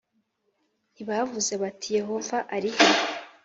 ntibavuze bati yehova ari he